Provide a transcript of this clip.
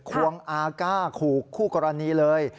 ควงอาก้าขู่คู่กรณีเลย